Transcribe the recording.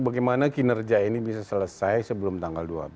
bagaimana kinerja ini bisa selesai sebelum tanggal dua belas